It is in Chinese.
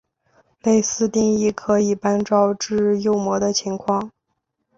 类似定义可以照搬至右模的情况。